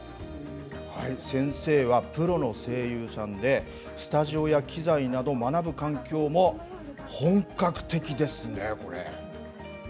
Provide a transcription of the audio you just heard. はい先生はプロの声優さんでスタジオや機材など学ぶ環境も本格的ですねこれ。